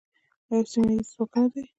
آیا یو سیمه ییز ځواک نه دی؟